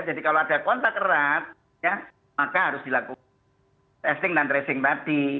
jadi kalau ada kontak erat ya maka harus dilakukan testing dan tracing tadi